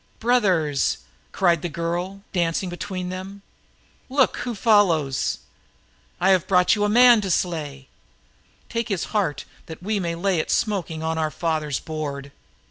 "Brothers!" cried the girl, dancing between them. "Look who follows! I have brought you a man for the feasting! Take his heart that we may lay it smoking on our father's board!"